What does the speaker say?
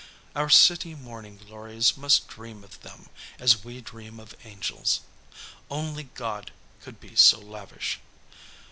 Our city morning glories must dream of them, as we dream of angels. Only God could be so lavish!